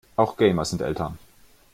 Auch Gamer sind Eltern.